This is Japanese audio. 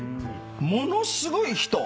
ものすごい人。